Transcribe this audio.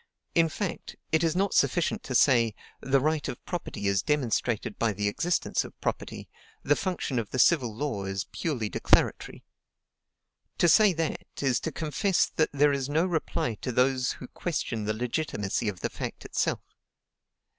In fact, it is not sufficient to say, "The right of property is demonstrated by the existence of property; the function of the civil law is purely declaratory." To say that, is to confess that there is no reply to those who question the legitimacy of the fact itself.